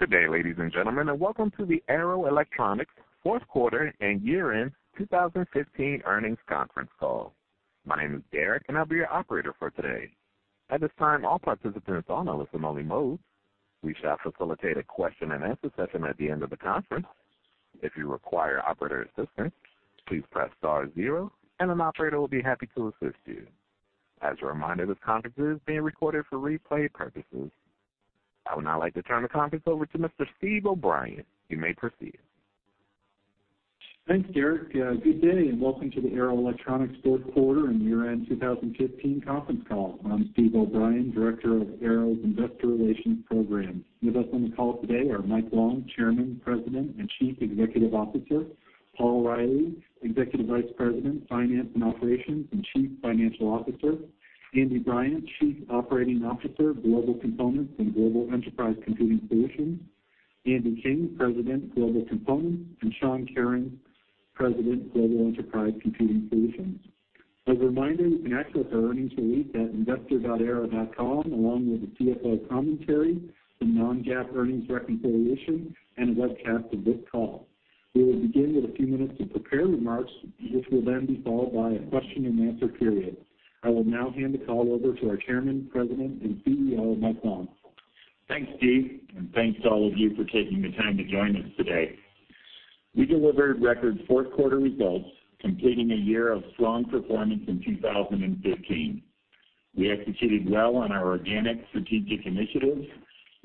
Good day, ladies and gentlemen, and welcome to the Arrow Electronics fourth quarter and year-end 2015 earnings conference call. My name is Derek, and I'll be your operator for today. At this time, all participants are on a listen-only mode. We shall facilitate a question-and-answer session at the end of the conference. If you require operator assistance, please press star zero, and an operator will be happy to assist you. As a reminder, this conference is being recorded for replay purposes. I would now like to turn the conference over to Mr. Steve O'Brien. You may proceed. Thanks, Derek. Good day, and welcome to the Arrow Electronics fourth quarter and year-end 2015 conference call. I'm Steve O'Brien, Director of Arrow's Investor Relations Program. With us on the call today are Mike Long, Chairman, President, and Chief Executive Officer; Paul Reilly, Executive Vice President, Finance and Operations, and Chief Financial Officer; Andy Bryant, Chief Operating Officer, Global Components and Global Enterprise Computing Solutions; Andy King, President, Global Components; and Sean Kerins, President, Global Enterprise Computing Solutions. As a reminder, you can access our earnings release at investor.arrow.com, along with the GFL commentary, the non-GAAP earnings reconciliation, and a webcast of this call. We will begin with a few minutes of prepared remarks, which will then be followed by a question-and-answer period. I will now hand the call over to our Chairman, President, and CEO, Mike Long. Thanks, Steve, and thanks to all of you for taking the time to join us today. We delivered record fourth quarter results, completing a year of strong performance in 2015. We executed well on our organic strategic initiatives,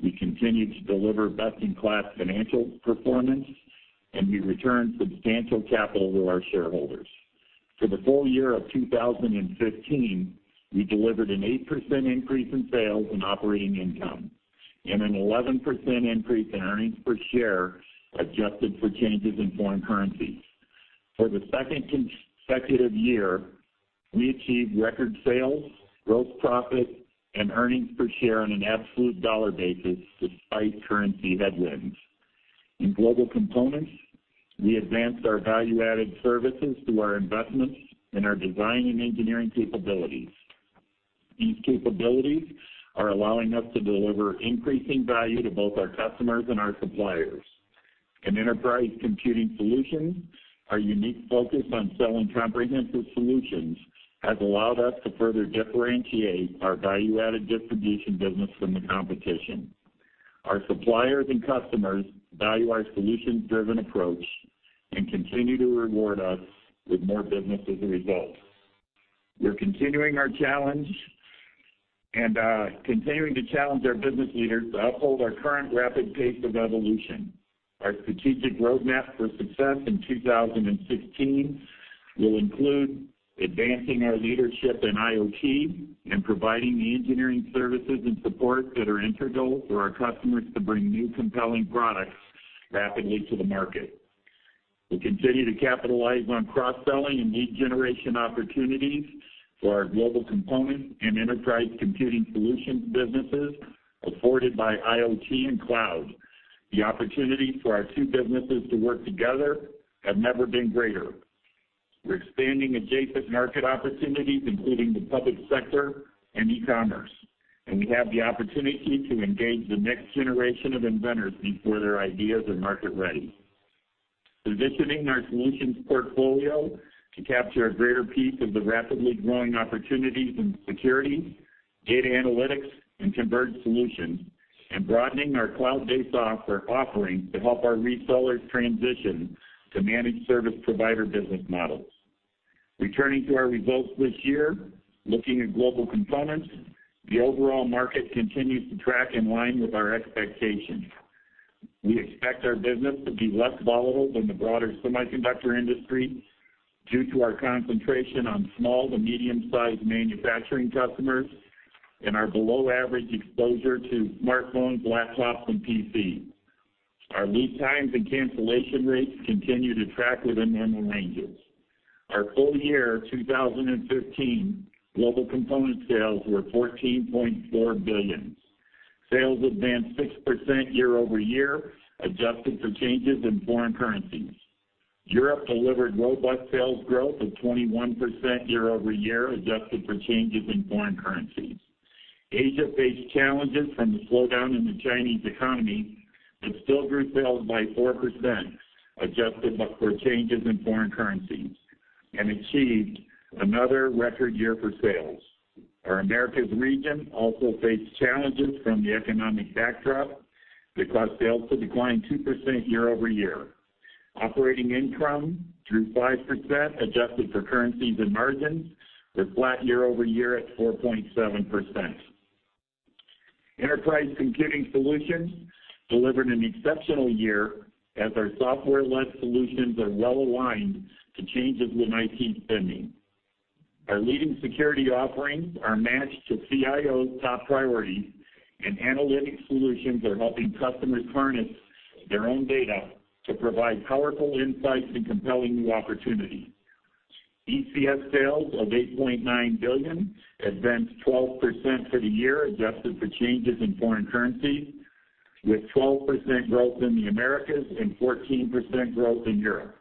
we continued to deliver best-in-class financial performance, and we returned substantial capital to our shareholders. For the full year of 2015, we delivered an 8% increase in sales and operating income and an 11% increase in earnings per share, adjusted for changes in foreign currencies. For the second consecutive year, we achieved record sales, gross profit, and earnings per share on an absolute dollar basis despite currency headwinds. In Global Components, we advanced our value-added services through our investments in our design and engineering capabilities. These capabilities are allowing us to deliver increasing value to both our customers and our suppliers. In Enterprise Computing Solutions, our unique focus on selling comprehensive solutions has allowed us to further differentiate our value-added distribution business from the competition. Our suppliers and customers value our solution-driven approach and continue to reward us with more business as a result. We're continuing our challenge and continuing to challenge our business leaders to uphold our current rapid pace of evolution. Our strategic roadmap for success in 2016 will include advancing our leadership in IoT and providing the engineering services and support that are integral for our customers to bring new, compelling products rapidly to the market. We continue to capitalize on cross-selling and lead generation opportunities for our Global Components and Enterprise Computing Solutions businesses afforded by IoT and cloud. The opportunities for our two businesses to work together have never been greater. We're expanding adjacent market opportunities, including the public sector and e-commerce, and we have the opportunity to engage the next generation of inventors before their ideas are market-ready. Positioning our solutions portfolio to capture a greater piece of the rapidly growing opportunities in security, data analytics, and converged solutions, and broadening our cloud-based software offering to help our resellers transition to managed service provider business models. Returning to our results this year, looking at Global Components, the overall market continues to track in line with our expectations. We expect our business to be less volatile than the broader semiconductor industry due to our concentration on small to medium-sized manufacturing customers and our below-average exposure to smartphones, laptops, and PCs. Our lead times and cancellation rates continue to track within normal ranges. Our full year 2015 Global Components sales were $14.4 billion. Sales advanced 6% year-over-year, adjusted for changes in foreign currencies. Europe delivered robust sales growth of 21% year-over-year, adjusted for changes in foreign currencies. Asia faced challenges from the slowdown in the Chinese economy, but still grew sales by 4%, adjusted for changes in foreign currencies, and achieved another record year for sales. Our Americas region also faced challenges from the economic backdrop that caused sales to decline 2% year-over-year. Operating income grew 5%, adjusted for currencies, and margins were flat year-over-year at 4.7%. Enterprise Computing Solutions delivered an exceptional year as our software-led solutions are well aligned to changes in IT spending. Our leading security offerings are matched to CIO's top priorities, and analytics solutions are helping customers harness their own data to provide powerful insights and compelling new opportunities. ECS sales of $8.9 billion advanced 12% for the year, adjusted for changes in foreign currency, with 12% growth in the Americas and 14% growth in Europe.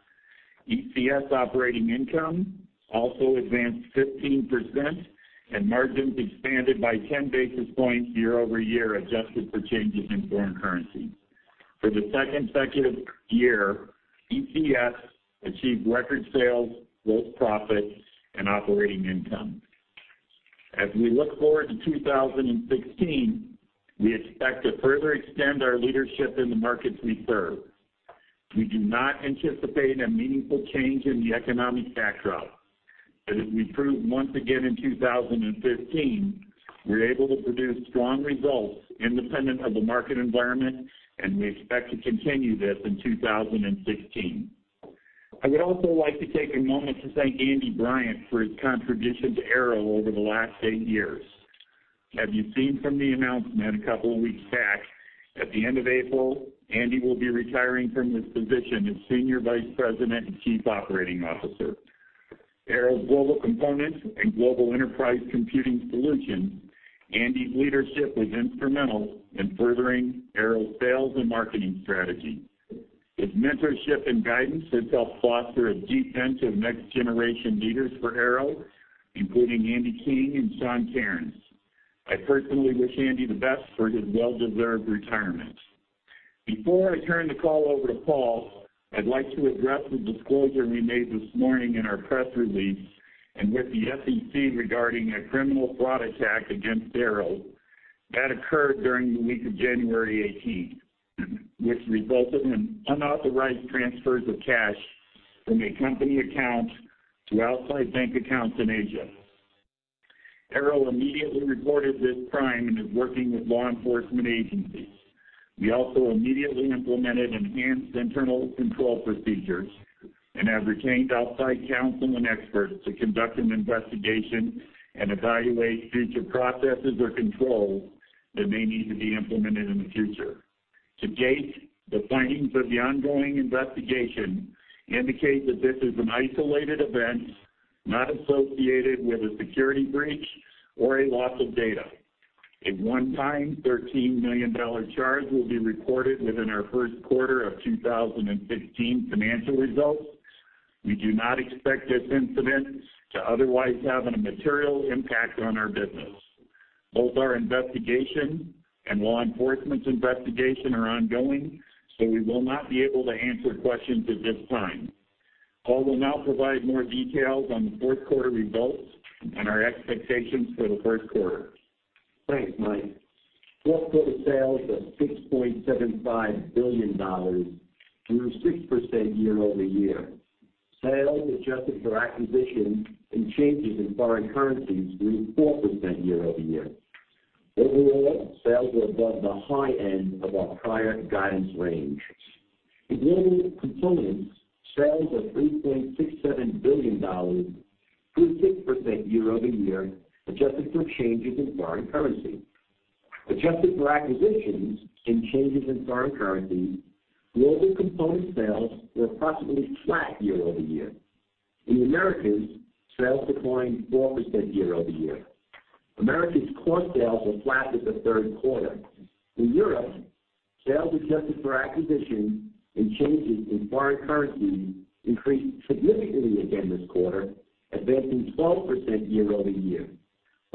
ECS operating income also advanced 15%, and margins expanded by 10 basis points year-over-year, adjusted for changes in foreign currency. For the second consecutive year, ECS achieved record sales, gross profits, and operating income. As we look forward to 2016, we expect to further extend our leadership in the markets we serve. We do not anticipate a meaningful change in the economic backdrop, but as we proved once again in 2015, we're able to produce strong results independent of the market environment, and we expect to continue this in 2016. I would also like to take a moment to thank Andy Bryant for his contribution to Arrow over the last eight years. As you've seen from the announcement a couple of weeks back, at the end of April, Andy will be retiring from his position as Senior Vice President and Chief Operating Officer, Arrow's Global Components and Global Enterprise Computing Solutions. Andy's leadership was instrumental in furthering Arrow's sales and marketing strategy. His mentorship and guidance has helped foster a deep bench of next-generation leaders for Arrow, including Andy King and Sean Kerins. I personally wish Andy the best for his well-deserved retirement. Before I turn the call over to Paul, I'd like to address the disclosure we made this morning in our press release and with the SEC regarding a criminal fraud attack against Arrow that occurred during the week of January 18, which resulted in unauthorized transfers of cash from a company account to outside bank accounts in Asia. Arrow immediately reported this crime and is working with law enforcement agencies. We also immediately implemented enhanced internal control procedures and have retained outside counsel and experts to conduct an investigation and evaluate future processes or controls that may need to be implemented in the future. To date, the findings of the ongoing investigation indicate that this is an isolated event, not associated with a security breach or a loss of data. A one-time $13 million charge will be reported within our first quarter of 2015 financial results. We do not expect this incident to otherwise have a material impact on our business. Both our investigation and law enforcement's investigation are ongoing, so we will not be able to answer questions at this time. Paul will now provide more details on the fourth quarter results and our expectations for the first quarter. Thanks, Mike. Fourth quarter sales of $6.75 billion grew 6% year-over-year. Sales, adjusted for acquisitions and changes in foreign currencies, grew 4% year-over-year. Overall, sales were above the high end of our prior guidance range. In Global Components, sales of $3.67 billion grew 6% year-over-year, adjusted for changes in foreign currency. Adjusted for acquisitions and changes in foreign currency, Global Components sales were approximately flat year-over-year. In the Americas, sales declined 4% year-over-year. Americas core sales were flat with the third quarter. In Europe, sales adjusted for acquisitions and changes in foreign currency increased significantly again this quarter, advancing 12% year-over-year.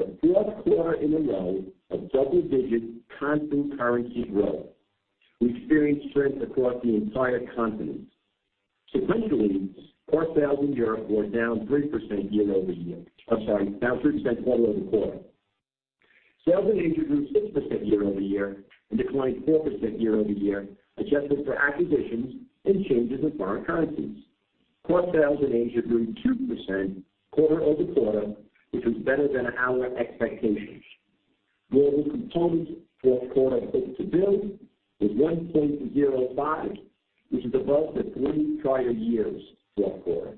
The fourth quarter in a row of double-digit constant currency growth. We experienced strength across the entire continent. Sequentially, core sales in Europe were down 3% year-over-year—I'm sorry, down 3% quarter-over-quarter. Sales in Asia grew 6% year-over-year and declined 4% year-over-year, adjusted for acquisitions and changes in foreign currencies. Core sales in Asia grew 2% quarter-over-quarter, which was better than our expectations. Global Components fourth quarter book-to-bill was 1.05, which is above the 3 prior years' fourth quarter.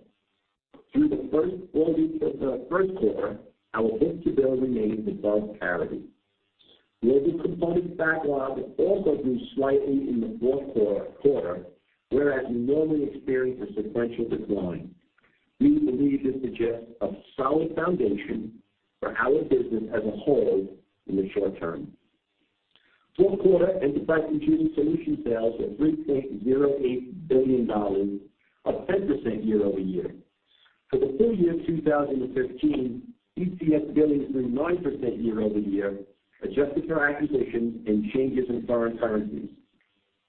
Through the first four weeks of the first quarter, our book-to-bill remains above parity. Global Components backlog also grew slightly in the fourth quarter, whereas we normally experience a sequential decline. We believe this suggests a solid foundation for our business as a whole in the short term. Fourth quarter, Global Enterprise Computing Solutions sales of $3.08 billion, up 10% year-over-year. For the full year 2013, ECS billings grew 9% year-over-year, adjusted for acquisitions and changes in foreign currencies.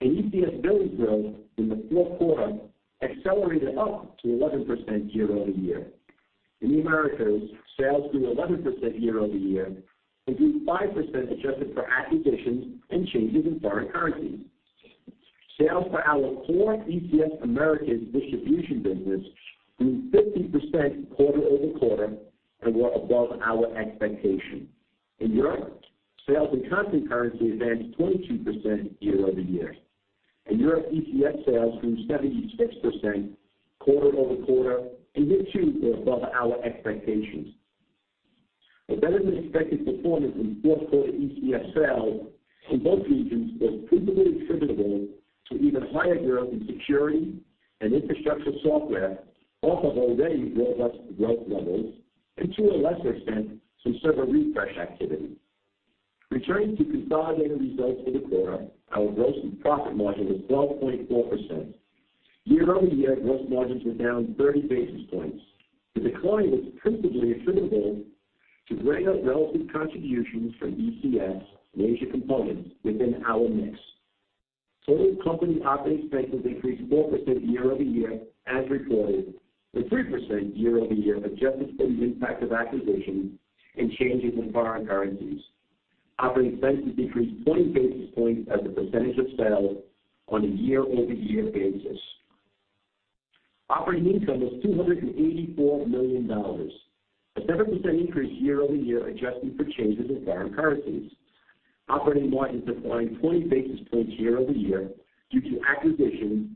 ECS billings growth in the fourth quarter accelerated up to 11% year-over-year. In the Americas, sales grew 11% year-over-year, and grew 5%, adjusted for acquisitions and changes in foreign currency. Sales for our core ECS Americas distribution business grew 50% quarter-over-quarter and were above our expectations. In Europe, sales in constant currency advanced 22% year-over-year, and Europe ECS sales grew 76% quarter-over-quarter, and this too were above our expectations. A better-than-expected performance in fourth quarter ECS sales in both regions was principally attributable to even higher growth in security and infrastructure software, off of already growth, growth levels, and to a lesser extent, some server refresh activity. Returning to consolidated results for the quarter, our gross profit margin was 12.4%. Year-over-year, gross margins were down 30 basis points. The decline was principally attributable to bringing up relative contributions from ECS and Asia components within our mix. Total company operating expenses increased 4% year-over-year as reported, with 3% year-over-year, adjusted for the impact of acquisitions and changes in foreign currencies. Operating expenses decreased 20 basis points as a percentage of sales on a year-over-year basis. Operating income was $284 million, a 7% increase year-over-year, adjusted for changes in foreign currencies. Operating margins declined 20 basis points year-over-year due to acquisitions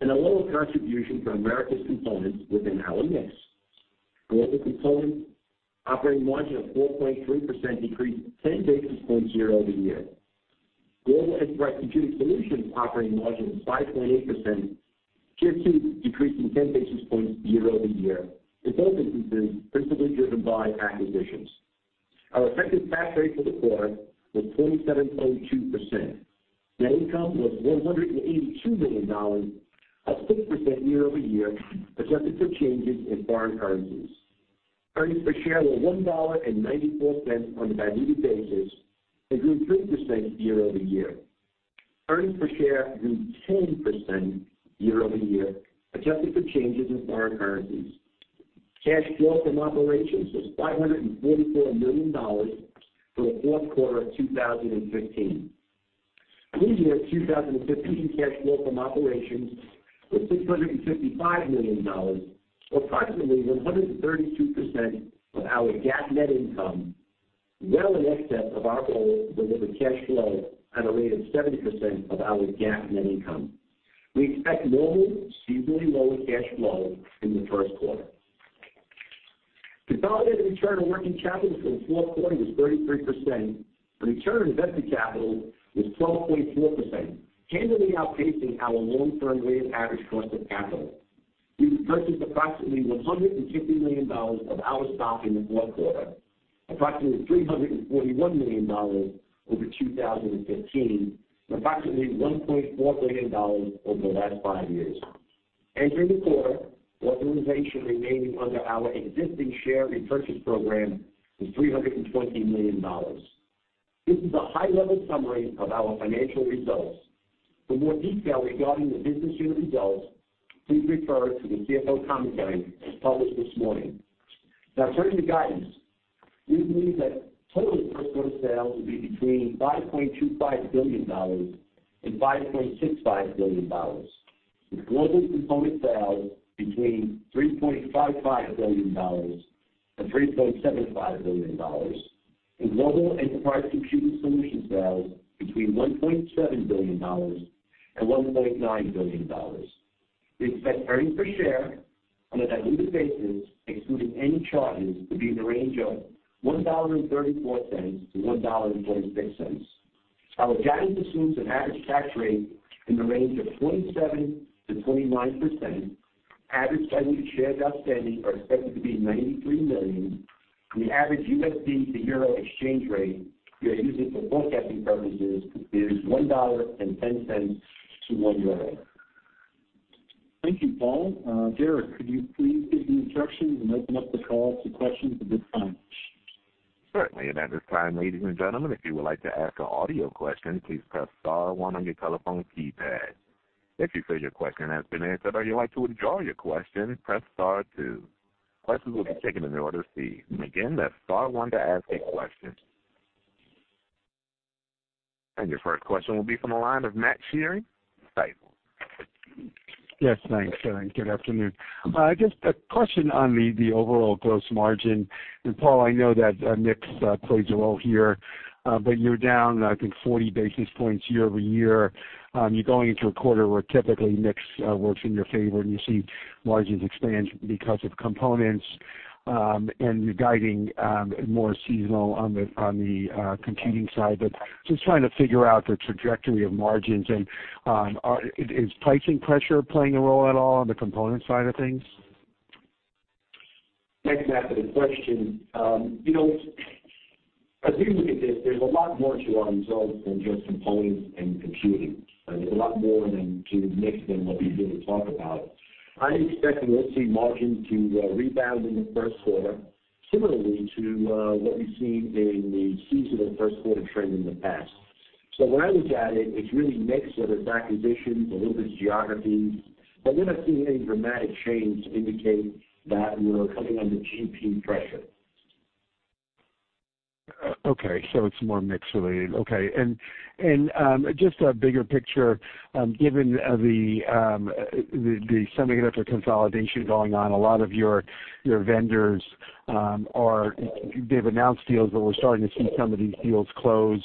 and a lower contribution from Americas components within our mix. Global Components operating margin of 4.3% decreased 10 basis points year-over-year. Global Enterprise Computing Solutions operating margin of 5.8%, here, too, decreasing 10 basis points year-over-year, with both instances principally driven by acquisitions. Our effective tax rate for the quarter was 27.2%. Net income was $182 million, up 6% year-over-year, adjusted for changes in foreign currencies. Earnings per share were $1.94 on a diluted basis and grew 3% year-over-year. Earnings per share grew 10% year-over-year, adjusted for changes in foreign currencies. Cash flow from operations was $544 million for the fourth quarter of 2015. Full year 2015, cash flow from operations was $655 million, approximately 132% of our GAAP net income, well in excess of our goal to deliver cash flow at a rate of 70% of our GAAP net income. We expect normal seasonally lower cash flow in the first quarter. Consolidated return on working capital for the fourth quarter was 33%. The return on invested capital was 12.4%, handily outpacing our long-term weighted average cost of capital. We repurchased approximately $150 million of our stock in the fourth quarter, approximately $341 million over 2015, and approximately $1.4 billion over the last five years. Entering the quarter, authorization remaining under our existing share repurchase program was $320 million. This is a high-level summary of our financial results. For more detail regarding the business unit results, please refer to the CFO commentary published this morning. Now turning to guidance. We believe that total first quarter sales will be between $5.25 billion and $5.65 billion, with Global Components sales between $3.55 billion and $3.75 billion, and Global Enterprise Computing Solutions sales between $1.7 billion and $1.9 billion. We expect earnings per share on a diluted basis, excluding any charges, to be in the range of $1.34 to $1.36. Our guidance assumes an average tax rate in the range of 27%-29%. Average diluted shares outstanding are expected to be 93 million, and the average USD to euro exchange rate we are using for forecasting purposes is $1.10 to 1.0 euro. Thank you, Paul. Derek, could you please give the instructions and open up the call to questions at this time? Certainly. At this time, ladies and gentlemen, if you would like to ask an audio question, please press star one on your telephone keypad. If you feel your question has been answered or you'd like to withdraw your question, press star two. Questions will be taken in the order received. And again, that's star one to ask a question. And your first question will be from the line of Matt Sheerin, Deutsche Bank. Yes, thanks, and good afternoon. Just a question on the overall gross margin. Paul, I know that mix plays a role here, but you're down, I think, 40 basis points year-over-year. You're going into a quarter where typically mix works in your favor, and you see margins expand because of components, and you're guiding more seasonal on the computing side. But just trying to figure out the trajectory of margins, and is pricing pressure playing a role at all on the component side of things? Thanks, Matt, for the question. You know, as we look at this, there's a lot more to our results than just components and computing. There's a lot more to the mix than what we usually talk about. I expect to see margins to rebound in the first quarter, similarly to what we've seen in the seasonal first quarter trend in the past. So when I look at it, it's really mix of acquisitions, a little bit of geographies, but we're not seeing any dramatic change to indicate that we are coming under GP pressure. Okay, so it's more mix related. Okay, and just a bigger picture, given the semiconductor consolidation going on, a lot of your vendors are. They've announced deals, but we're starting to see some of these deals close.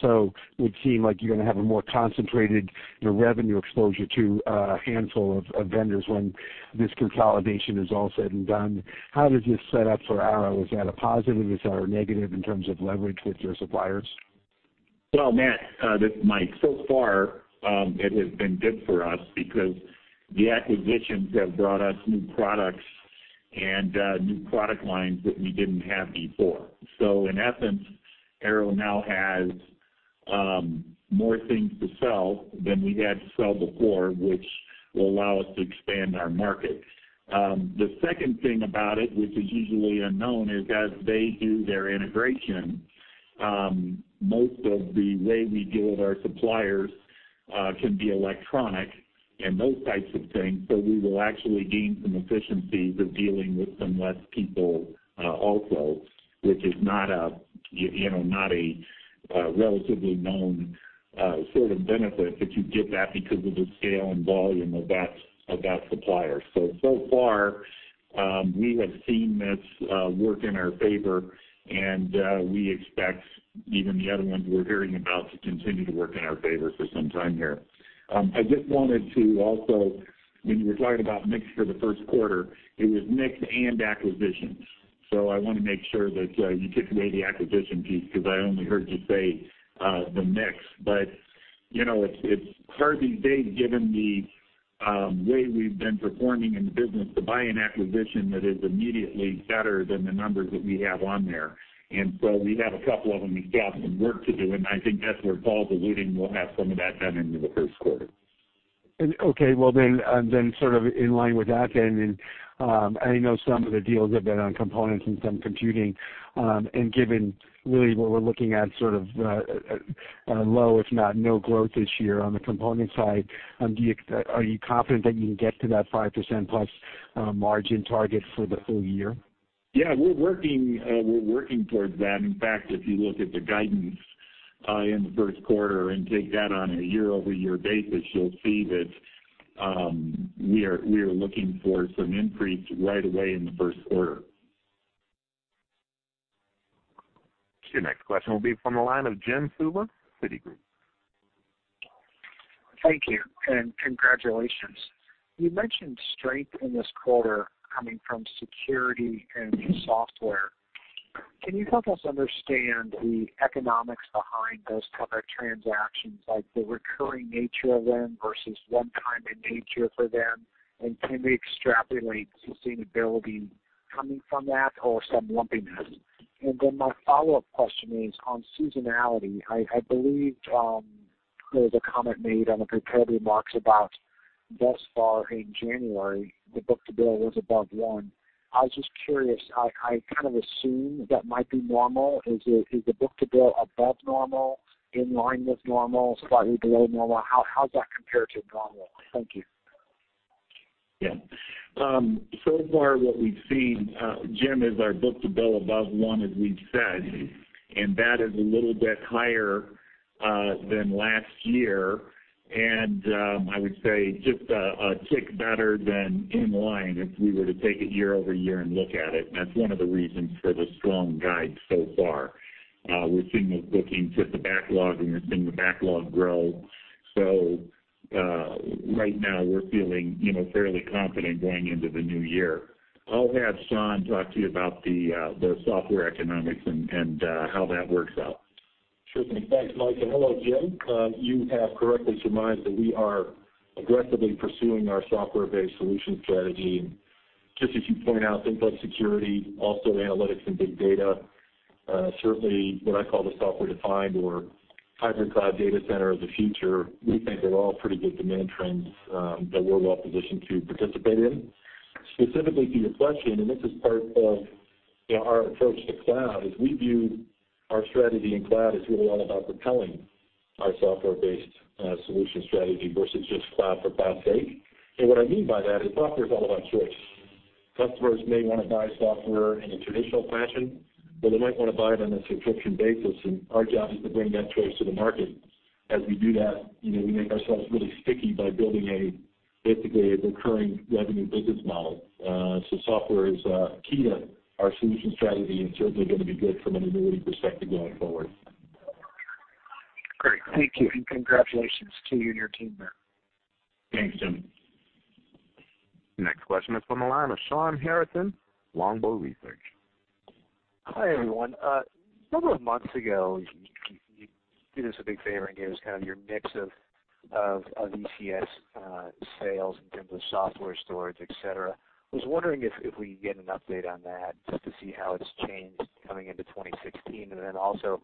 So it would seem like you're gonna have a more concentrated, you know, revenue exposure to a handful of vendors when this consolidation is all said and done. How does this set up for Arrow? Is that a positive? Is that a negative in terms of leverage with your suppliers?... Well, Matt, this is Mike. So far, it has been good for us because the acquisitions have brought us new products and, new product lines that we didn't have before. So in essence, Arrow now has, more things to sell than we had to sell before, which will allow us to expand our market. The second thing about it, which is usually unknown, is as they do their integration, most of the way we deal with our suppliers, can be electronic and those types of things, so we will actually gain some efficiencies of dealing with some less people, also, which is not a, you know, not a relatively known sort of benefit, but you get that because of the scale and volume of that, of that supplier. So, so far, we have seen this work in our favor, and we expect even the other ones we're hearing about to continue to work in our favor for some time here. I just wanted to also, when you were talking about mix for the first quarter, it was mix and acquisitions. So I want to make sure that you took away the acquisition piece because I only heard you say the mix. But, you know, it's hard these days, given the way we've been performing in the business to buy an acquisition that is immediately better than the numbers that we have on there. And so we have a couple of them, we've got some work to do, and I think that's where Paul's alluding, we'll have some of that done into the first quarter. Okay, well, then, then sort of in line with that then, and, I know some of the deals have been on components and some computing, and given really what we're looking at, sort of, a low, if not no growth this year on the component side, do you- are you confident that you can get to that 5%+ margin target for the full year? Yeah, we're working, we're working towards that. In fact, if you look at the guidance, in the first quarter and take that on a year-over-year basis, you'll see that, we are, we are looking for some increase right away in the first quarter. Your next question will be from the line of Jim Suva, Citigroup. Thank you, and congratulations. You mentioned strength in this quarter coming from security and software. Can you help us understand the economics behind those type of transactions, like the recurring nature of them versus one-time in nature for them? And can we extrapolate sustainability coming from that or some lumpiness? And then my follow-up question is on seasonality. I believe there was a comment made on the prepared remarks about thus far in January, the book-to-bill was above 1. I was just curious. I kind of assume that might be normal. Is the book-to-bill above normal, in line with normal, slightly below normal? How's that compare to normal? Thank you. Yeah. So far, what we've seen, Jim, is our book-to-bill above one, as we've said, and that is a little bit higher than last year. I would say just a tick better than in line if we were to take it year-over-year and look at it. That's one of the reasons for the strong guide so far. We're seeing the bookings hit the backlog, and we're seeing the backlog grow. So, right now, we're feeling, you know, fairly confident going into the new year. I'll have Sean talk to you about the software economics and how that works out. Sure thing. Thanks, Mike, and hello, Jim. You have correctly surmised that we are aggressively pursuing our software-based solution strategy. And just as you point out, endpoint security, also analytics and big data, certainly what I call the software-defined or hybrid cloud data center of the future, we think they're all pretty good demand trends that we're well positioned to participate in. Specifically to your question, and this is part of, you know, our approach to cloud, is we view our strategy in cloud as really all about propelling our software-based solution strategy versus just cloud for cloud's sake. And what I mean by that is software is all about choice. Customers may want to buy software in a traditional fashion, or they might want to buy it on a subscription basis, and our job is to bring that choice to the market. As we do that, you know, we make ourselves really sticky by building a, basically, a recurring revenue business model. So software is key to our solution strategy and certainly going to be good from an annuity perspective going forward. Great. Thank you, and congratulations to you and your team there. Thanks, Jim. Next question is from the line of Shawn Harrison, Longbow Research. Hi, everyone. A couple of months ago, you did us a big favor and gave us kind of your mix of ECS sales in terms of software, storage, et cetera. I was wondering if we could get an update on that just to see how it's changed coming into 2016. And then also,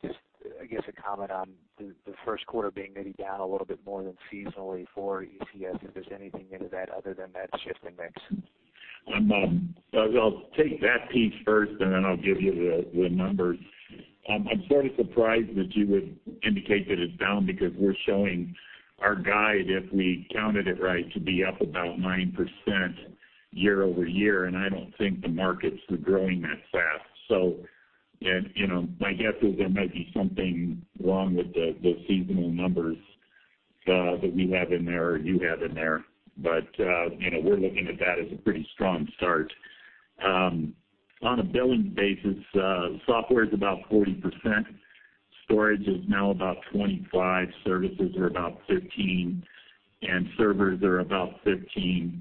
just, I guess, a comment on the first quarter being maybe down a little bit more than seasonally for ECS, if there's anything into that other than that shift in mix. I'll take that piece first, and then I'll give you the numbers. I'm sort of surprised that you would indicate that it's down because we're showing our guide, if we counted it right, to be up about 9% year-over-year, and I don't think the markets are growing that fast. So and, you know, my guess is there might be something wrong with the seasonal numbers that we have in there, or you have in there. But, you know, we're looking at that as a pretty strong start. On a billing basis, software is about 40%. Storage is now about 25%, services are about 15%, and servers are about 15%,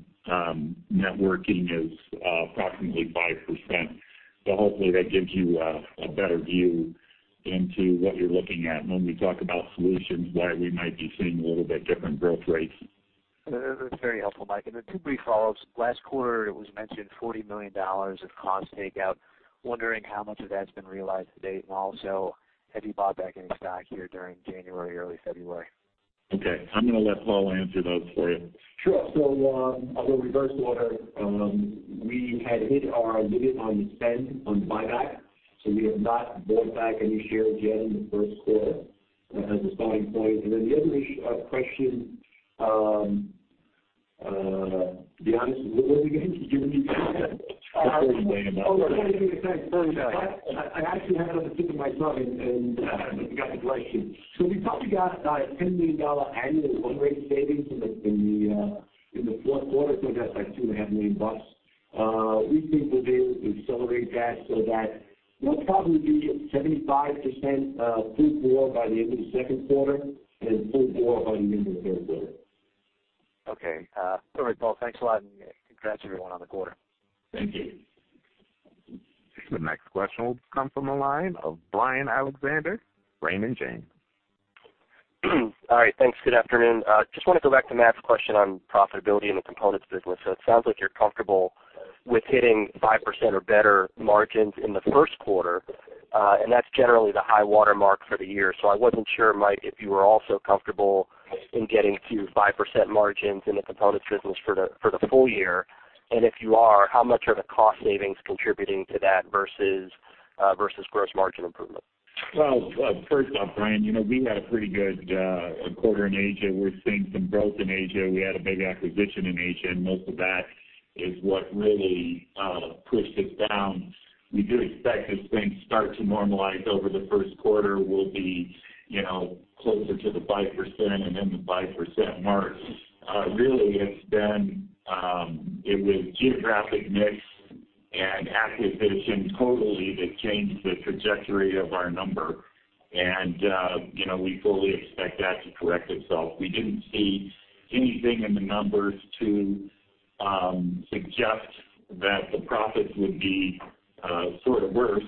networking is approximately 5%. So hopefully that gives you a better view into what you're looking at when we talk about solutions, why we might be seeing a little bit different growth rates. That's very helpful, Mike. Then two brief follow-ups. Last quarter, it was mentioned $40 million of cost takeout. Wondering how much of that's been realized to date? And also, have you bought back any stock here during January, early February? Okay, I'm gonna let Paul answer those for you. Sure. So, I'll go reverse order. We had hit our limit on spend, on buyback, so we have not bought back any shares yet in the first quarter, as a starting point. And then the other question, be honest with me again, you given me- There's no way about it. Okay, thanks. I actually had it on the tip of my tongue, and you got the question. So we probably got about $10 million annual run rate savings in the fourth quarter, so that's like $2.5 million. We think we'll be able to accelerate that, so that we'll probably be at 75% full year by the end of the second quarter and full year by the end of the third quarter. Okay. All right, Paul, thanks a lot, and congrats everyone on the quarter. Thank you. The next question will come from the line of Brian Alexander, Raymond James. All right, thanks. Good afternoon. Just wanna go back to Matt's question on profitability in the components business. So it sounds like you're comfortable with hitting 5% or better margins in the first quarter, and that's generally the high watermark for the year. So I wasn't sure, Mike, if you were also comfortable in getting to 5% margins in the components business for the full year. And if you are, how much are the cost savings contributing to that versus gross margin improvement? Well, first off, Brian, you know, we had a pretty good quarter in Asia. We're seeing some growth in Asia. We had a big acquisition in Asia, and most of that is what really pushed us down. We do expect as things start to normalize over the first quarter, we'll be, you know, closer to the 5% and then the 5% mark. Really, it's been, it was geographic mix and acquisition totally that changed the trajectory of our number. And, you know, we fully expect that to correct itself. We didn't see anything in the numbers to suggest that the profits would be sort of worse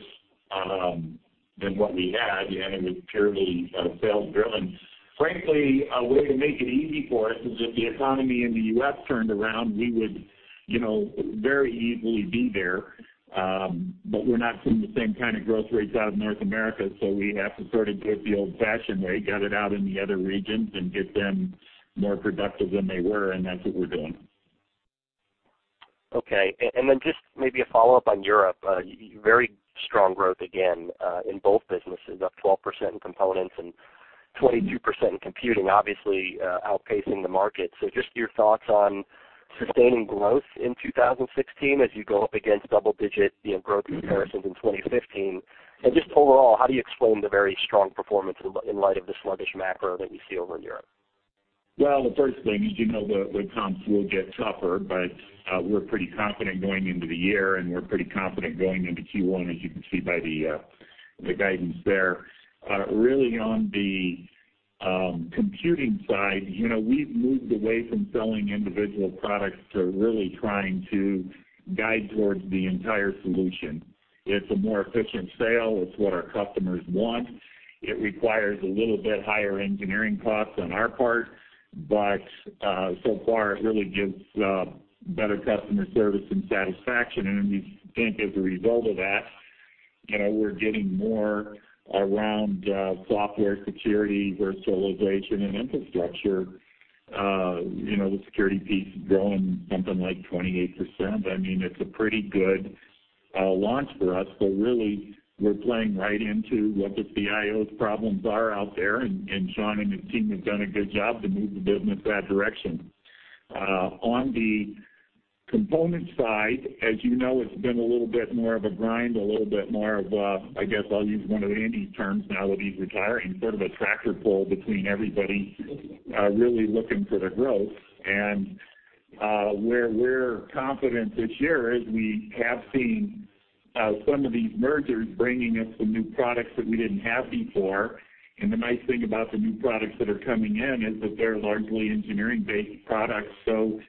than what we had, and it was purely sales driven. Frankly, a way to make it easy for us is if the economy in the U.S. turned around, we would, you know, very easily be there. But we're not seeing the same kind of growth rates out of North America, so we have to sort of do it the old-fashioned way, get it out in the other regions and get them more productive than they were, and that's what we're doing. Okay. And then just maybe a follow-up on Europe. Very strong growth, again, in both businesses, up 12% in components and 22% in computing, obviously, outpacing the market. So just your thoughts on sustaining growth in 2016 as you go up against double-digit, you know, growth comparisons in 2015. And just overall, how do you explain the very strong performance in light of the sluggish macro that we see over in Europe? Well, the first thing is, you know, the comps will get tougher, but we're pretty confident going into the year, and we're pretty confident going into Q1, as you can see by the guidance there. Really on the computing side, you know, we've moved away from selling individual products to really trying to guide towards the entire solution. It's a more efficient sale. It's what our customers want. It requires a little bit higher engineering costs on our part, but so far, it really gives better customer service and satisfaction. And we think as a result of that, you know, we're getting more around software security, virtualization and infrastructure. You know, the security piece is growing something like 28%. I mean, it's a pretty good launch for us, so really, we're playing right into what the CIO's problems are out there, and Sean and his team have done a good job to move the business that direction. On the component side, as you know, it's been a little bit more of a grind, a little bit more of a, I guess I'll use one of Andy's terms now that he's retiring, sort of a tractor pull between everybody, really looking for the growth. And where we're confident this year is we have seen some of these mergers bringing us some new products that we didn't have before. And the nice thing about the new products that are coming in is that they're largely engineering-based products, so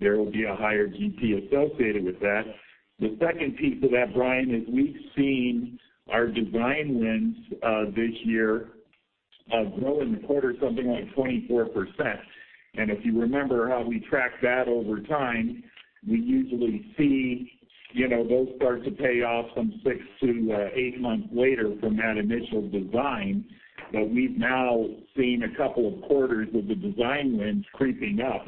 there will be a higher GP associated with that. The second piece of that, Brian, is we've seen our design wins this year grow in the quarter something like 24%. And if you remember how we tracked that over time, we usually see, you know, those start to pay off some six to eight months later from that initial design. But we've now seen a couple of quarters of the design wins creeping up,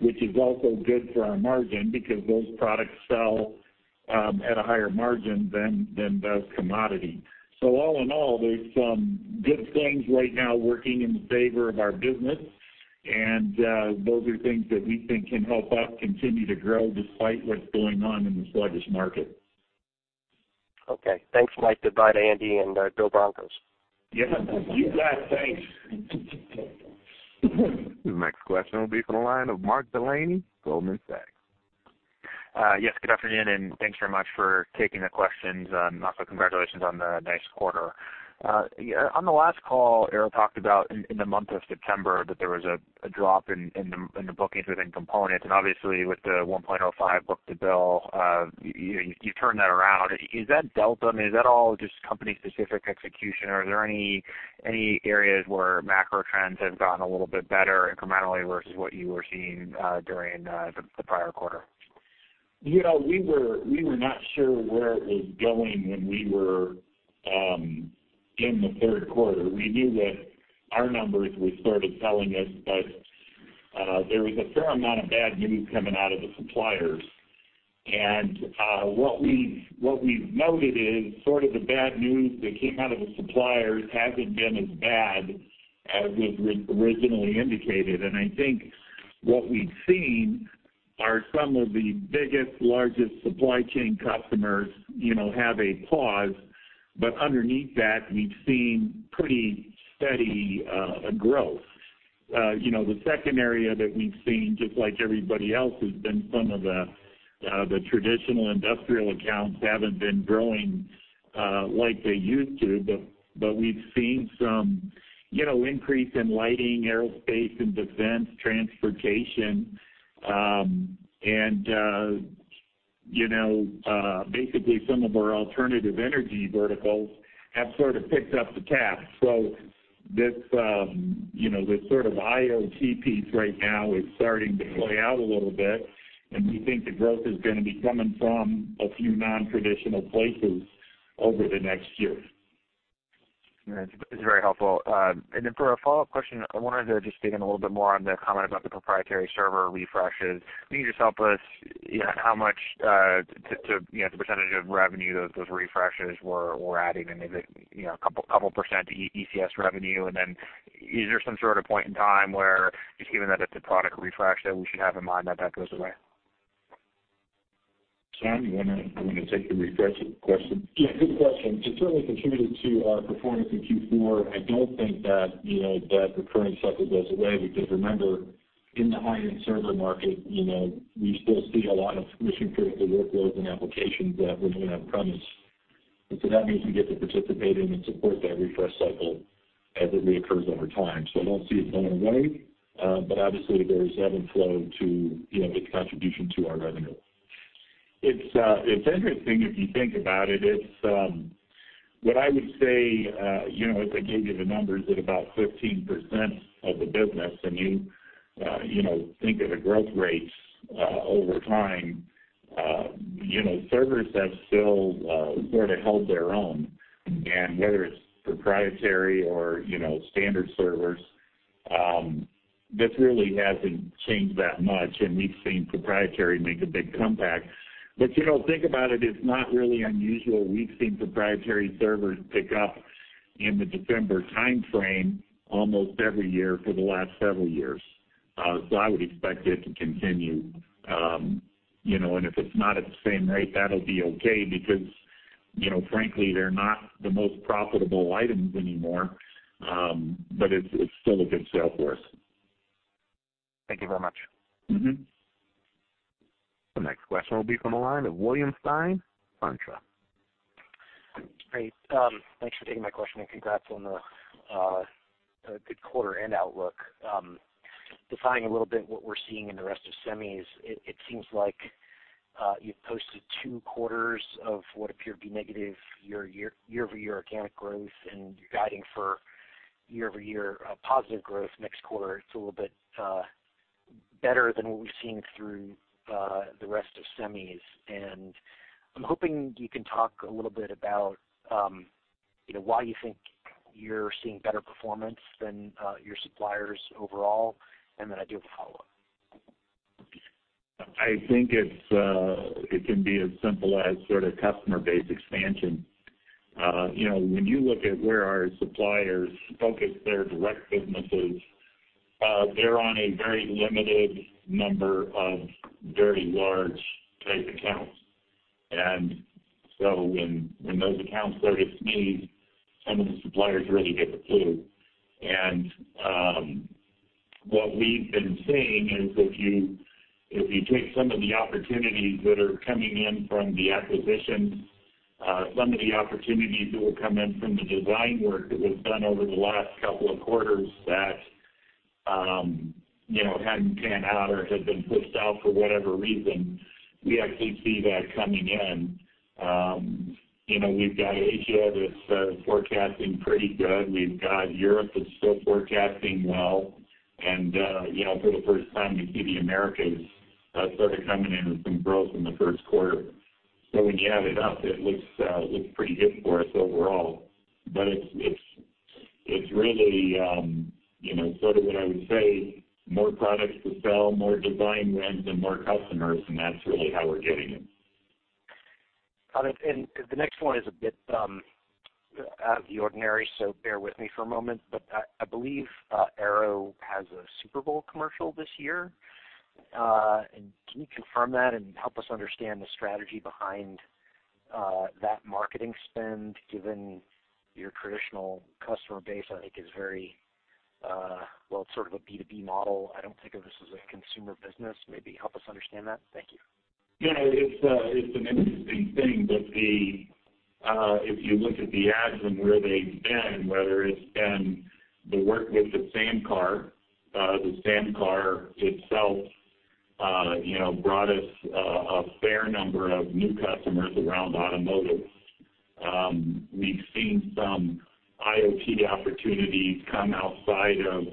which is also good for our margin because those products sell at a higher margin than does commodity. So all in all, there's some good things right now working in favor of our business, and those are things that we think can help us continue to grow despite what's going on in the sluggish market. Okay. Thanks, Mike. Goodbye to Andy, and go Broncos. Yeah, you bet. Thanks. The next question will be from the line of Mark Delaney, Goldman Sachs.... Yes, good afternoon, and thanks very much for taking the questions, and also congratulations on the nice quarter. Yeah, on the last call, Arrow talked about in the month of September that there was a drop in the bookings within components. And obviously, with the 1.05 book-to-bill, you turned that around. Is that delta, I mean, is that all just company-specific execution, or are there any areas where macro trends have gotten a little bit better incrementally versus what you were seeing during the prior quarter? You know, we were, we were not sure where it was going when we were in the third quarter. We knew that our numbers were sort of telling us, but there was a fair amount of bad news coming out of the suppliers. And what we've, what we've noted is sort of the bad news that came out of the suppliers hasn't been as bad as was originally indicated. And I think what we've seen are some of the biggest, largest supply chain customers, you know, have a pause, but underneath that, we've seen pretty steady growth. You know, the second area that we've seen, just like everybody else, has been some of the traditional industrial accounts haven't been growing like they used to, but we've seen some, you know, increase in lighting, aerospace and defense, transportation, and you know, basically some of our alternative energy verticals have sort of picked up the tab. So this, you know, this sort of IoT piece right now is starting to play out a little bit, and we think the growth is gonna be coming from a few nontraditional places over the next year. All right. It's very helpful. And then for a follow-up question, I wanted to just dig in a little bit more on the comment about the proprietary server refreshes. Can you just help us, you know, how much, to, you know, the percentage of revenue those refreshes were adding? And is it, you know, a couple percent ECS revenue? And then is there some sort of point in time where, just given that it's a product refresh, that we should have in mind that that goes away? Keri, you wanna, you wanna take the refresh question? Yeah, good question. It certainly contributed to our performance in Q4. I don't think that, you know, that recurring cycle goes away because, remember, in the high-end server market, you know, we still see a lot of mission-critical workloads and applications that live on premise. And so that means we get to participate in and support that refresh cycle as it reoccurs over time. So I don't see it going away, but obviously, there's ebb and flow to, you know, its contribution to our revenue. It's interesting if you think about it. It's what I would say, you know, if I gave you the numbers at about 15% of the business, and you, you know, think of the growth rates, over time, you know, servers have still, sort of held their own. And whether it's proprietary or, you know, standard servers, this really hasn't changed that much, and we've seen proprietary make a big comeback. But, you know, think about it, it's not really unusual. We've seen proprietary servers pick up in the December timeframe almost every year for the last several years. So I would expect it to continue. You know, and if it's not at the same rate, that'll be okay because, you know, frankly, they're not the most profitable items anymore, but it's, it's still a good sale for us. Thank you very much. Mm-hmm. The next question will be from the line of William Stein, SunTrust Robinson Humphrey. Great. Thanks for taking my question, and congrats on the good quarter and outlook. Defining a little bit what we're seeing in the rest of semis, it seems like you've posted two quarters of what appeared to be negative year-over-year, year-over-year organic growth, and you're guiding for year-over-year positive growth next quarter. It's a little bit better than what we've seen through the rest of semis. And I'm hoping you can talk a little bit about, you know, why you think you're seeing better performance than your suppliers overall, and then I do have a follow-up. I think it's, it can be as simple as sort of customer base expansion. You know, when you look at where our suppliers focus their direct businesses, they're on a very limited number of very large type accounts. And so when, when those accounts start to sneeze, some of the suppliers really get the clue. And what we've been seeing is if you, if you take some of the opportunities that are coming in from the acquisitions, some of the opportunities that will come in from the design work that was done over the last couple of quarters that, you know, hadn't panned out or had been pushed out for whatever reason, we actually see that coming in. You know, we've got Asia that's forecasting pretty good. We've got Europe that's still forecasting well. And, you know, for the first time, you see the Americas sort of coming in with some growth in the first quarter. So when you add it up, it looks pretty good for us overall. But it's really, you know, sort of what I would say, more products to sell, more design wins, and more customers, and that's really how we're getting it. Got it. And the next one is a bit, out of the ordinary, so bear with me for a moment. But, I believe, Arrow has a Super Bowl commercial this year. And can you confirm that and help us understand the strategy behind, that marketing spend, given your traditional customer base, I think, is very- ... well, it's sort of a B2B model. I don't think of this as a consumer business. Maybe help us understand that? Thank you. Yeah, it's an interesting thing, but if you look at the ads and where they've been, whether it's been the work with the SAM Car, the SAM Car itself, you know, brought us a fair number of new customers around automotive. We've seen some IoT opportunities come outside of,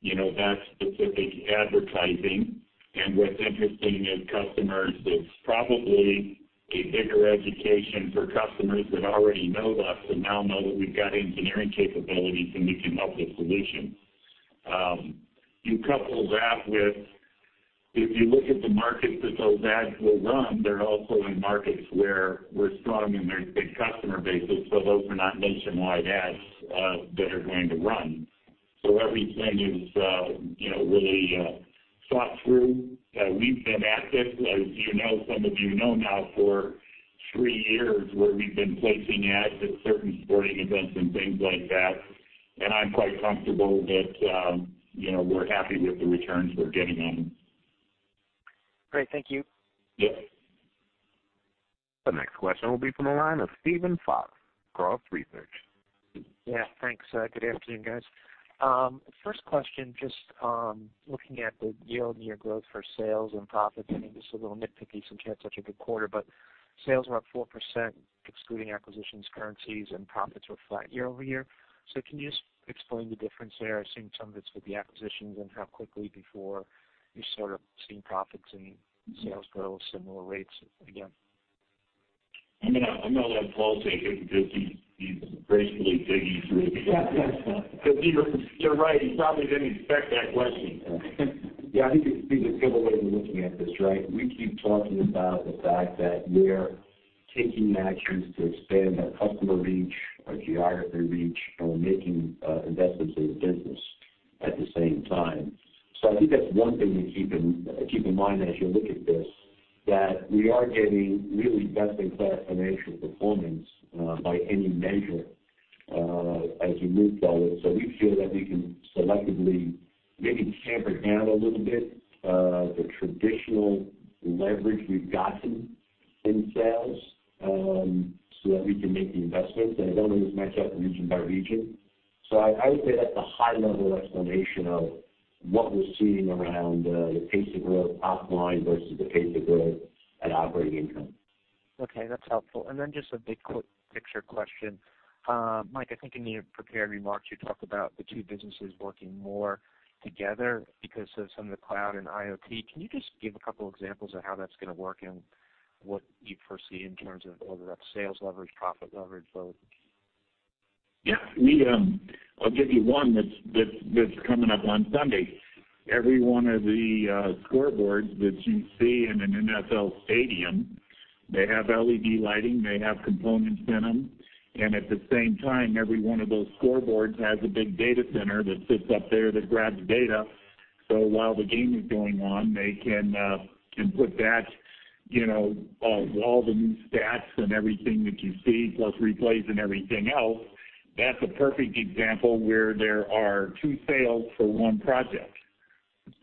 you know, that specific advertising. And what's interesting is customers, it's probably a bigger education for customers that already know us and now know that we've got engineering capabilities, and we can help with solutions. You couple that with, if you look at the markets that those ads were run, they're also in markets where we're strong in their big customer bases, so those are not nationwide ads that are going to run. So everything is, you know, really thought through. We've been at this, as you know, some of you know now for three years, where we've been placing ads at certain sporting events and things like that, and I'm quite comfortable that, you know, we're happy with the returns we're getting on them. Great. Thank you. Yes. The next question will be from the line of Steven Fox, Cross Research. Yeah, thanks. Good afternoon, guys. First question, just looking at the year-over-year growth for sales and profits, I think this is a little nitpicky since you had such a good quarter, but sales were up 4%, excluding acquisitions, currencies, and profits were flat year-over-year. So can you just explain the difference there? I've seen some of it's with the acquisitions and how quickly before you sort of seeing profits and sales grow similar rates again? I'm gonna, I'm gonna let Paul take it because he, he's gracefully digging through it. 'Cause he was-- you're right, he probably didn't expect that question. Yeah, I think there's several ways of looking at this, right? We keep talking about the fact that we're taking actions to expand our customer reach, our geography reach, and we're making investments in the business at the same time. So I think that's one thing to keep in mind as you look at this, that we are getting really best-in-class financial performance by any measure as we move forward. So we feel that we can selectively, maybe chamfer down a little bit the traditional leverage we've gotten in sales so that we can make the investments, and it doesn't always match up region by region. So I would say that's a high level explanation of what we're seeing around the pace of growth, top line, versus the pace of growth and operating income. Okay, that's helpful. And then just a big quick picture question. Mike, I think in your prepared remarks, you talked about the two businesses working more together because of some of the cloud and IoT. Can you just give a couple examples of how that's gonna work and what you foresee in terms of whether that's sales leverage, profit leverage, both? Yeah, I'll give you one that's coming up on Sunday. Every one of the scoreboards that you see in an NFL stadium, they have LED lighting, they have components in them, and at the same time, every one of those scoreboards has a big data center that sits up there that grabs data. So while the game is going on, they can put that, you know, all the new stats and everything that you see, plus replays and everything else. That's a perfect example where there are two sales for one project.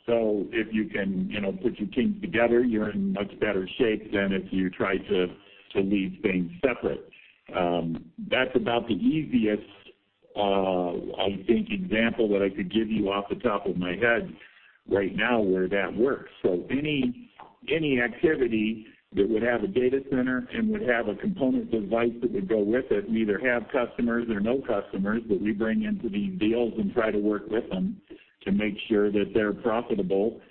So if you can, you know, put your teams together, you're in much better shape than if you try to leave things separate. That's about the easiest, I think, example that I could give you off the top of my head right now, where that works. So any activity that would have a data center and would have a component device that would go with it, and either have customers or no customers, but we bring into the deals and try to work with them to make sure that they're profitable,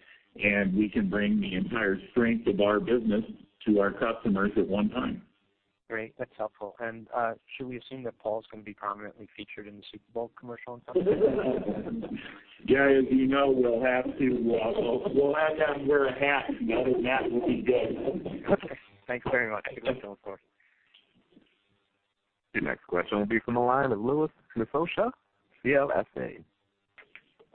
and we can bring the entire strength of our business to our customers at one time. Great, that's helpful. Should we assume that Paul's gonna be prominently featured in the Super Bowl commercial on Sunday? Yeah, as you know, we'll have to, we'll have him wear a hat, and other than that, we'll be good. Okay. Thanks very much. Good luck on the fourth. Your next question will be from the line of Louis Miscioscia, CLSA.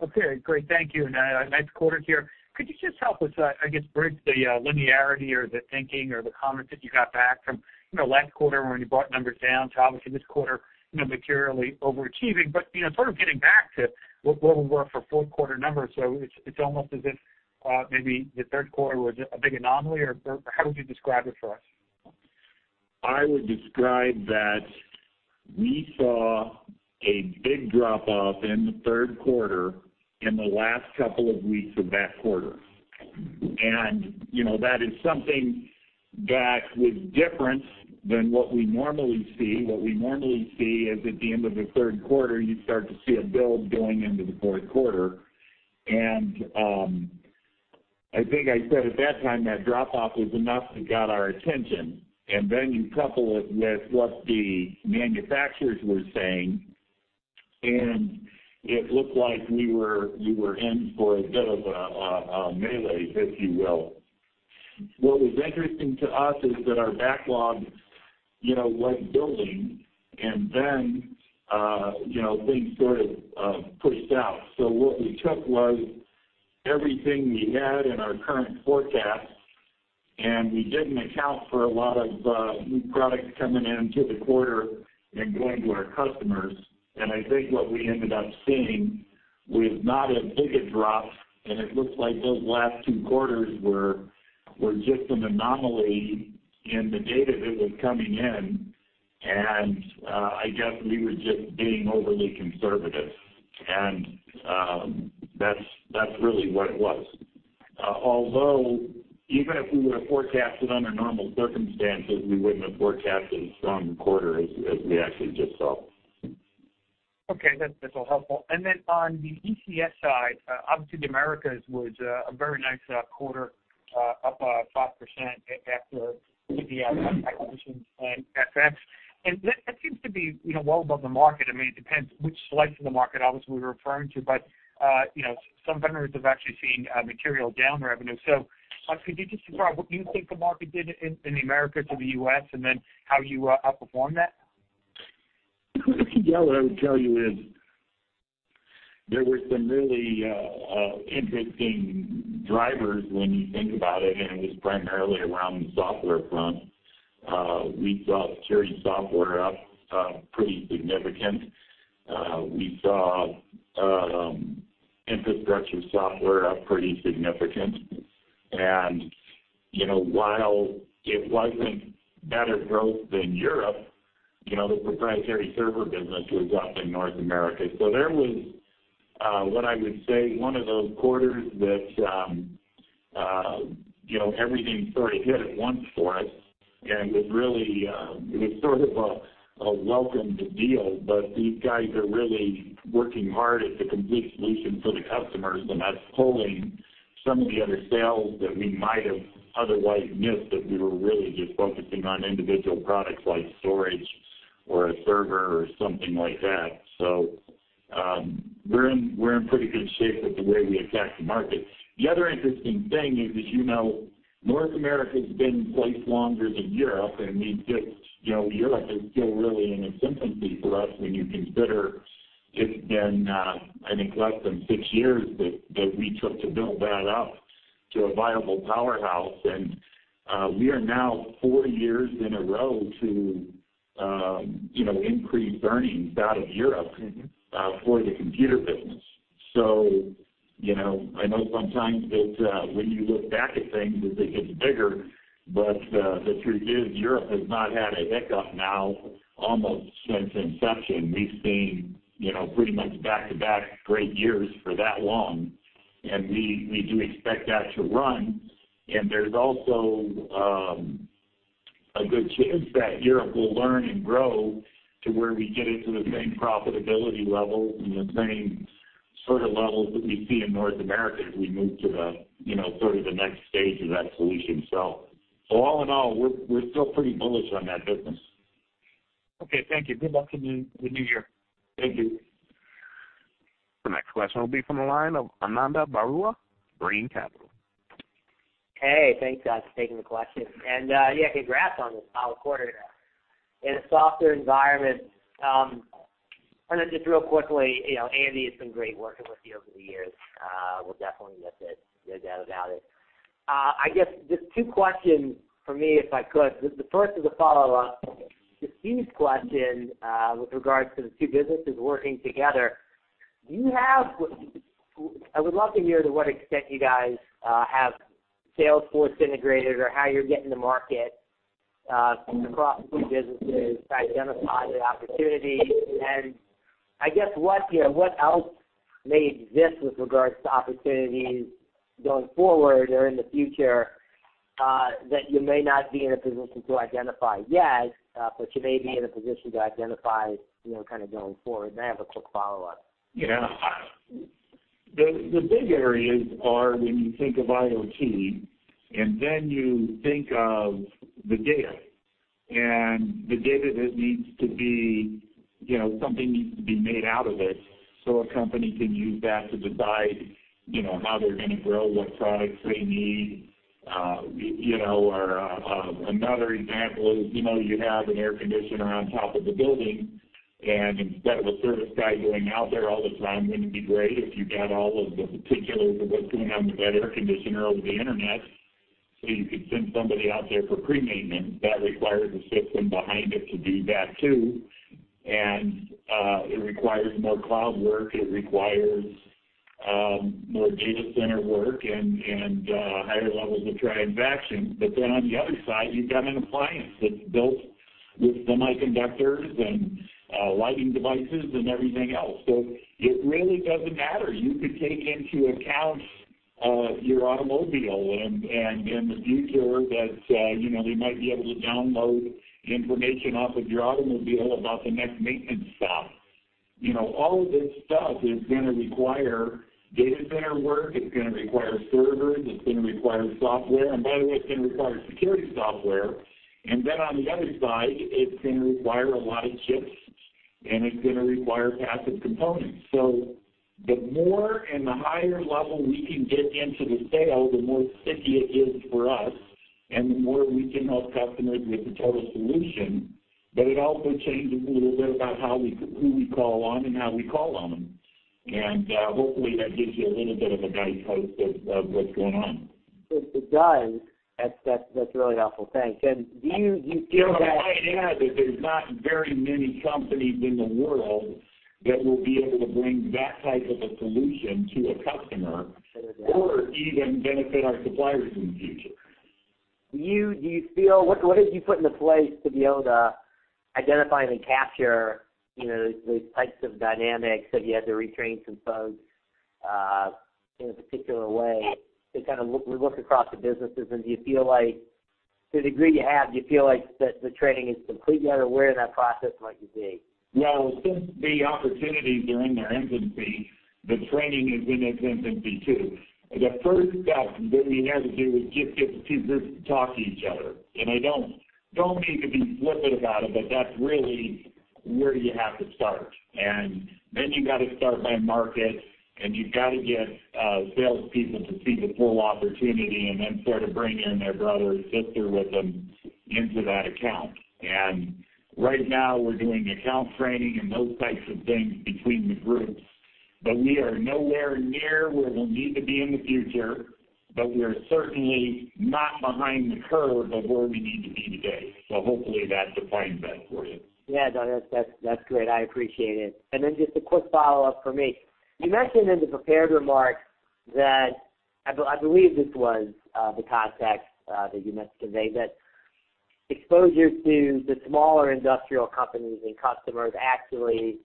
Okay, great, thank you. Nice quarter here. Could you just help us, I guess, bridge the linearity or the thinking or the comments that you got back from, you know, last quarter when you brought numbers down to obviously this quarter, you know, materially overachieving. But, you know, sort of getting back to what we were for fourth quarter numbers. So it's almost as if maybe the third quarter was a big anomaly, or how would you describe it for us? I would describe that we saw a big drop-off in the third quarter, in the last couple of weeks of that quarter. And, you know, that is something that was different than what we normally see. What we normally see is, at the end of the third quarter, you start to see a build going into the fourth quarter. And, I think I said at that time, that drop-off was enough to get our attention, and then you couple it with what the manufacturers were saying, and it looked like we were, we were in for a bit of a melee, if you will. What was interesting to us is that our backlog, you know, went building, and then, you know, things sort of pushed out. So what we took was everything we had in our current forecast-... We didn't account for a lot of new products coming into the quarter and going to our customers. And I think what we ended up seeing was not as big a drop, and it looked like those last two quarters were just an anomaly in the data that was coming in. And I guess we were just being overly conservative, and that's really what it was. Although even if we would have forecasted under normal circumstances, we wouldn't have forecasted a strong quarter as we actually just saw. Okay, that, that's all helpful. And then on the ECS side, obviously the Americas was a very nice quarter, up 5% after the acquisitions and FX. And that seems to be, you know, well above the market. I mean, it depends which slice of the market obviously we're referring to, but, you know, some vendors have actually seen material down revenue. So could you just describe what you think the market did in the Americas or the U.S., and then how you outperformed that? Yeah, what I would tell you is there were some really interesting drivers when you think about it, and it was primarily around the software front. We saw security software up pretty significant. We saw infrastructure software up pretty significant. And, you know, while it wasn't better growth than Europe, you know, the proprietary server business was up in North America. So there was what I would say one of those quarters that you know everything sort of hit at once for us and was really it was sort of a welcomed deal. But these guys are really working hard at the complete solution for the customers, and that's pulling some of the other sales that we might have otherwise missed, if we were really just focusing on individual products like storage or a server or something like that. So, we're in, we're in pretty good shape with the way we attack the market. The other interesting thing is that, you know, North America's been in place longer than Europe, and we just, you know, Europe is still really in its infancy for us when you consider it's been, I think less than six years that we took to build that up to a viable powerhouse. And, we are now four years in a row to, you know, increase earnings out of Europe- Mm-hmm. for the computer business. So, you know, I know sometimes that, when you look back at things, that they get bigger, but, the truth is, Europe has not had a hiccup now almost since inception. We've seen, you know, pretty much back-to-back great years for that long, and we, we do expect that to run. And there's also, a good chance that Europe will learn and grow to where we get into the same profitability levels and the same sort of levels that we see in North America as we move to the, you know, sort of the next stage of that solution. So, so all in all, we're, we're still pretty bullish on that business. Okay. Thank you. Good luck in the new year. Thank you. The next question will be from the line of Ananda Baruah, Brean Capital. Hey, thanks, guys, for taking the question. Yeah, congrats on this solid quarter in a softer environment. Then just real quickly, you know, Andy, it's been great working with you over the years. We'll definitely miss it, no doubt about it. I guess just two questions from me, if I could. The first is a follow-up to Steve's question with regards to the two businesses working together. Do you have—I would love to hear to what extent you guys have Salesforce integrated or how you're getting the market across the two businesses to identify the opportunities. I guess, what, you know, what else may exist with regards to opportunities going forward or in the future, that you may not be in a position to identify yet, but you may be in a position to identify, you know, kind of going forward? I have a quick follow-up. Yeah. The big areas are when you think of IoT, and then you think of the data. And the data that needs to be, you know, something needs to be made out of it, so a company can use that to decide, you know, how they're gonna grow, what products they need. You know, or another example is, you know, you have an air conditioner on top of the building, and instead of a service guy going out there all the time, wouldn't it be great if you got all of the particulars of what's going on with that air conditioner over the internet, so you could send somebody out there for pre-maintenance? That requires a system behind it to do that, too. And it requires more cloud work, it requires more data center work and higher levels of transaction. But then on the other side, you've got an appliance that's built with semiconductors and, lighting devices and everything else. So it really doesn't matter. You could take into account, your automobile and, and in the future that, you know, we might be able to download information off of your automobile about the next maintenance stop. You know, all of this stuff is gonna require data center work, it's gonna require servers, it's gonna require software, and by the way, it's gonna require security software. And then on the other side, it's gonna require a lot of chips, and it's gonna require passive components. So the more and the higher level we can get into the sale, the more sticky it is for us and the more we can help customers with the total solution. But it also changes a little bit about how we who we call on and how we call on them... and hopefully that gives you a little bit of a base hope of what's going on. It does. That's really helpful. Thanks. And do you feel that- I might add that there's not very many companies in the world that will be able to bring that type of a solution to a customer or even benefit our suppliers in the future. Do you feel what did you put into place to be able to identify and capture, you know, the types of dynamics? Have you had to retrain some folks in a particular way to kind of look across the businesses? And do you feel like, to the degree you have, do you feel like that the training is completely underway and that process might be? Well, since the opportunities are in their infancy, the training is in its infancy, too. The first step that we had to do is just get the two groups to talk to each other. And I don't, don't mean to be flippant about it, but that's really where you have to start. And then you gotta start by market, and you've gotta get salespeople to see the full opportunity and then sort of bring in their brother and sister with them into that account. And right now, we're doing account training and those types of things between the groups, but we are nowhere near where we'll need to be in the future, but we are certainly not behind the curve of where we need to be today. So hopefully, that defines that for you. Yeah, no, that's, that's, that's great. I appreciate it. And then just a quick follow-up from me. You mentioned in the prepared remarks that... I, I believe this was, the context, that you meant to convey, that exposure to the smaller industrial companies and customers actually,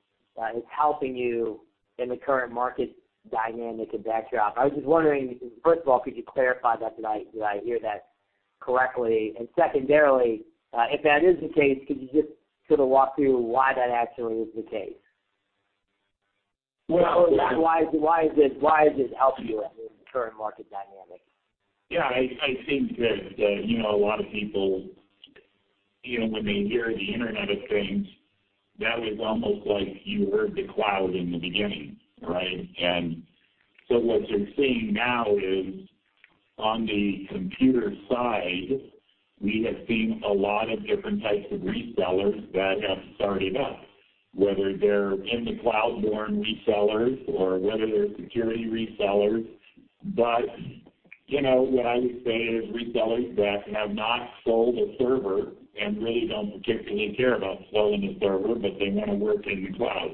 is helping you in the current market dynamic and backdrop. I was just wondering, first of all, could you clarify that? Did I, did I hear that correctly? And secondarily, if that is the case, could you just sort of walk through why that actually is the case? Well- Why, why is it, why is this helping you in the current market dynamic? Yeah, I think that, you know, a lot of people, you know, when they hear the Internet of Things, that was almost like you heard the cloud in the beginning, right? And so what you're seeing now is, on the computer side, we have seen a lot of different types of resellers that have started up, whether they're in the cloud-born resellers or whether they're security resellers. But, you know, what I would say is resellers that have not sold a server and really don't particularly care about selling a server, but they wanna work in the cloud.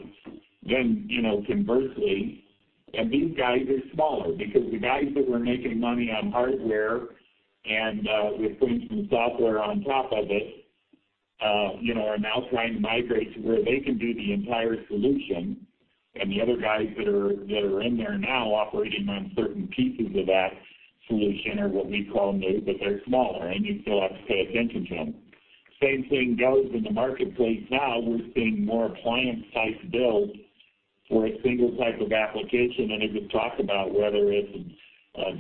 Then, you know, conversely, and these guys are smaller, because the guys that were making money on hardware and we're putting some software on top of it, you know, are now trying to migrate to where they can be the entire solution. And the other guys that are, that are in there now operating on certain pieces of that solution are what we call new, but they're smaller, and you still have to pay attention to them. Same thing goes in the marketplace now. We're seeing more appliance-type build for a single type of application. And it could talk about whether it's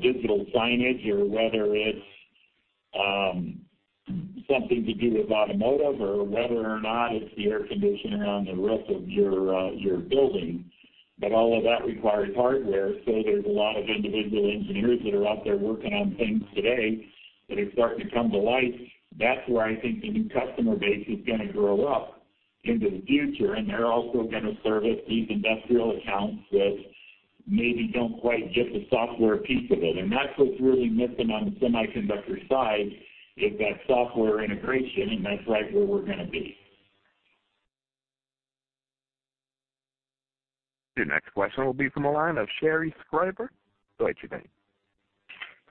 digital signage or whether it's something to do with automotive or whether or not it's the air conditioning on the roof of your your building. But all of that requires hardware, so there's a lot of individual engineers that are out there working on things today, that are starting to come to light. That's where I think the new customer base is gonna grow up into the future, and they're also gonna service these industrial accounts that maybe don't quite get the software piece of it. That's what's really missing on the semiconductor side, is that software integration, and that's right where we're gonna be. Your next question will be from the line of Sherri Scribner. Go ahead, Sherri.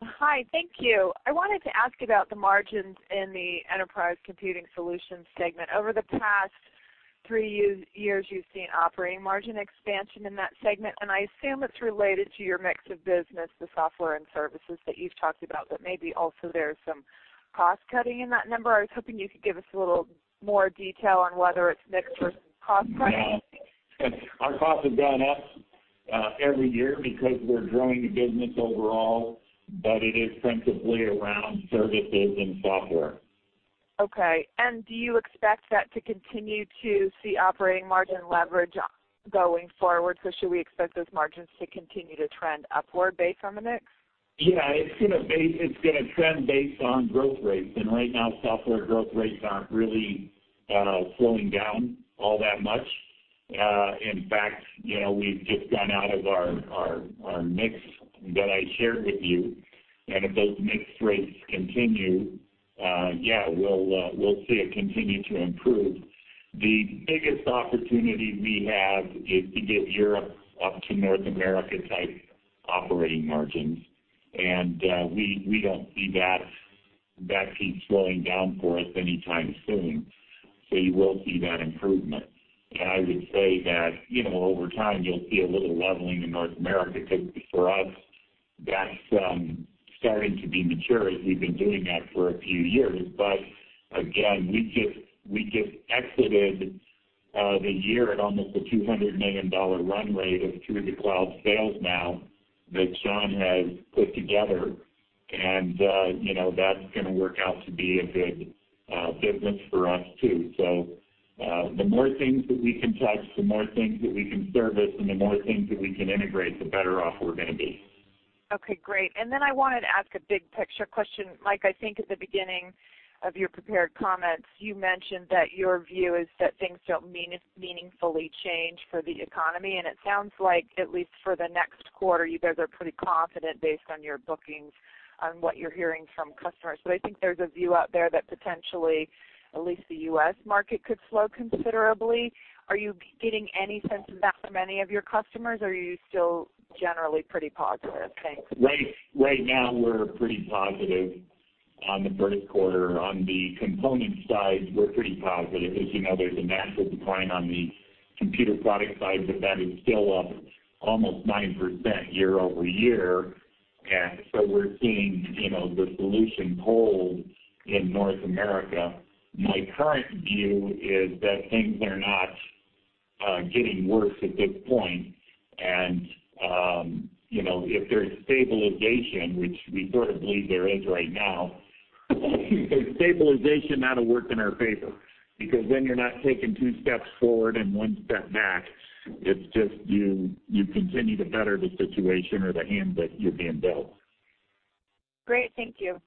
Hi, thank you. I wanted to ask about the margins in the Enterprise Computing Solutions segment. Over the past three years, you've seen operating margin expansion in that segment, and I assume it's related to your mix of business, the software and services that you've talked about, but maybe also there's some cost cutting in that number. I was hoping you could give us a little more detail on whether it's mix versus cost cutting. Yeah. Our costs have gone up every year because we're growing the business overall, but it is principally around services and software. Okay. Do you expect that to continue to see operating margin leverage going forward? Should we expect those margins to continue to trend upward based on the mix? Yeah, it's gonna trend based on growth rates, and right now, software growth rates aren't really slowing down all that much. In fact, you know, we've just gone out of our mix that I shared with you. And if those mix rates continue, yeah, we'll see it continue to improve. The biggest opportunity we have is to get Europe up to North America-type operating margins, and we don't see that keep slowing down for us anytime soon. So you will see that improvement. And I would say that, you know, over time, you'll see a little leveling in North America, because for us, that's starting to be mature as we've been doing that for a few years. But again, we just exited the year at almost a $200 million run rate of true to the cloud sales now that Sean has put together. And, you know, that's gonna work out to be a good business for us, too. So, the more things that we can touch, the more things that we can service and the more things that we can integrate, the better off we're gonna be.... Okay, great. And then I wanted to ask a big picture question. Mike, I think at the beginning of your prepared comments, you mentioned that your view is that things don't meaningfully change for the economy, and it sounds like at least for the next quarter, you guys are pretty confident based on your bookings on what you're hearing from customers. But I think there's a view out there that potentially at least the US market could slow considerably. Are you getting any sense of that from any of your customers, or are you still generally pretty positive? Thanks. Right, right now we're pretty positive on the first quarter. On the component side, we're pretty positive. As you know, there's a massive decline on the computer product side, but that is still up almost 9% year-over-year. And so we're seeing, you know, the solution hold in North America. My current view is that things are not getting worse at this point. And, you know, if there's stabilization, which we sort of believe there is right now, stabilization that'll work in our favor, because then you're not taking two steps forward and one step back. It's just you, you continue to better the situation or the hand that you're being dealt. Great. Thank you.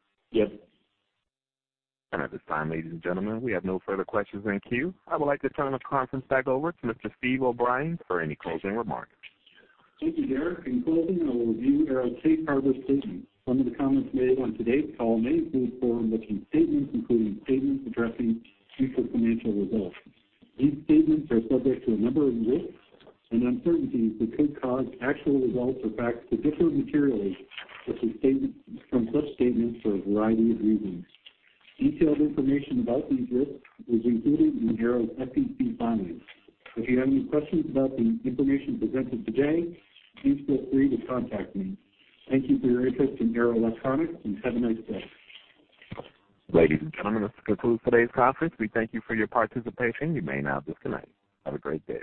Yes. At this time, ladies and gentlemen, we have no further questions in queue. I would like to turn the conference back over to Mr. Steve O'Brien for any closing remarks. Thank you, Derek. In closing, I will review Arrow's safe harbor statement. Some of the comments made on today's call may include forward-looking statements, including statements addressing future financial results. These statements are subject to a number of risks and uncertainties that could cause actual results or facts to differ materially from statements, from such statements for a variety of reasons. Detailed information about these risks is included in Arrow's SEC filings. If you have any questions about the information presented today, please feel free to contact me. Thank you for your interest in Arrow Electronics, and have a nice day. Ladies and gentlemen, this concludes today's conference. We thank you for your participation. You may now disconnect. Have a great day.